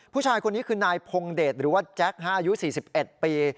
ผู้ชายคนนี้คือนายพงเดชหรือว่าแจ็คอายุ๔๑ปี